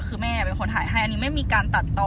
คือแม่เป็นคนถ่ายให้อันนี้ไม่มีการตัดต่อ